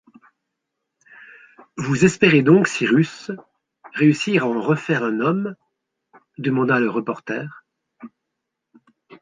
Vous espérez donc, Cyrus, réussir à en refaire un homme demanda le reporter